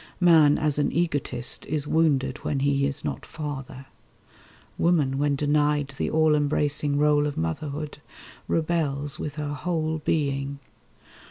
Man as an egotist is wounded when He is not father. Woman when denied The all embracing rôle of motherhood Rebels with her whole being.